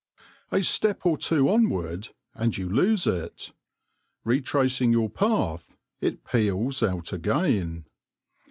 A step or two onward and you lose it ; retracing your path, it peals out again.